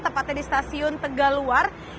tempatnya di stasiun tegal luar